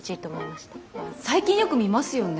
最近よく見ますよね。